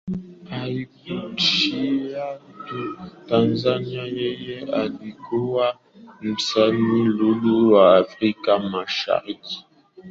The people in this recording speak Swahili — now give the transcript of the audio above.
Haikushia tu Tanzania yeye alikuwa msanii lulu wa Africa mashariki